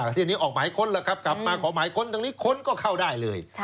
ที่อันนี้ออกหมายค้นแล้วครับกลับมาขอหมายค้นตรงนี้ค้นก็เข้าได้เลย